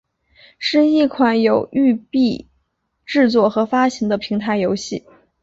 是一款由育碧制作和发行的平台游戏。